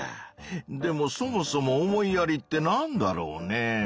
でもそもそも「思いやり」ってなんだろうね？